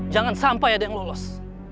jangan sampai ada yang lolos